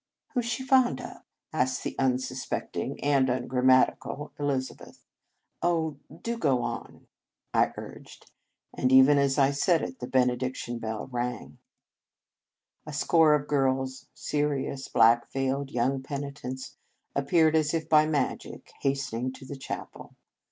"Who s she fond of?" asked the unsuspecting and ungrammatical Elizabeth. " Oh, do go on !" I urged, and, even as I said it, the Benediction bell rang. 98 In Retreat A score of girls, serious, black veiled young penitents, appeared, as if by magic, hastening to the chapel.